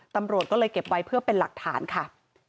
ตำรวจก็เลยเก็บไว้เพื่อเป็นหลักฐานค่ะ